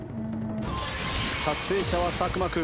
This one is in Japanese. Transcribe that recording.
撮影者は作間君。